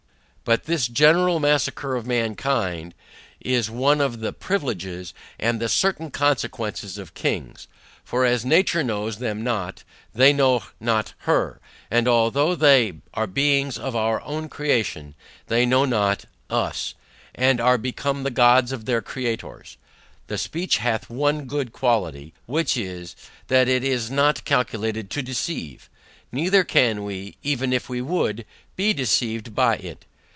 But this general massacre of mankind, is one of the privileges, and the certain consequence of Kings; for as nature knows them NOT, they know NOT HER, and although they are beings of our OWN creating, they know not US, and are become the gods of their creators. The Speech hath one good quality, which is, that it is not calculated to deceive, neither can we, even if we would, be deceived by it.